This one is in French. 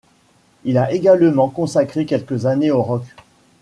Il a également consacré quelques années au rock.